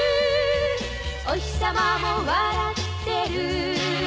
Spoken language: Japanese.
「おひさまも笑ってる」